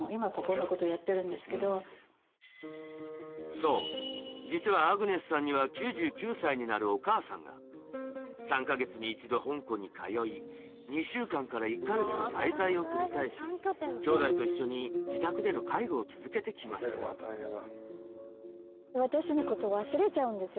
そう実はアグネスさんには３か月に１度香港に通い２週間から１か月の滞在を繰り返しきょうだいと一緒に自宅での介護を続けてきましたみたいな。